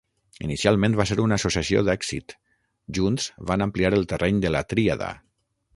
Inicialment, va ser una associació d'èxit, junts van ampliar el terreny de la tríada.